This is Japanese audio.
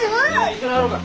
一緒に入ろうか。